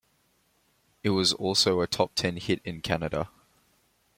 It was also a top ten hit in Canada.